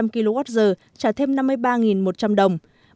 một trăm linh kwh trả thêm năm mươi ba một trăm linh đồng